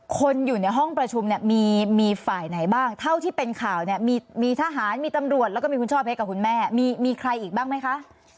คนอยู่ในห้องประชุมเนี่ยมีฝ่ายไหนบ้างเท่าที่เป็นข่าวเนี่ยมีทหารมีตำรวจแล้วก็มีคุณช่อเพชรกับคุณแม่มีใครอีกบ้างไหมคะ